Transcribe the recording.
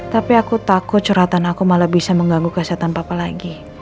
tapi aku takut curhatan aku malah bisa mengganggu kesehatan papa lagi